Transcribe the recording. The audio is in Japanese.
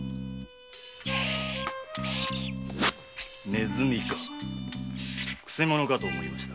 ネズミか曲者かと思いました。